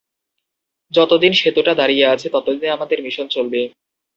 যতদিন সেতুটা দাঁড়িয়ে আছে, ততদিন আমাদের মিশন চলবে।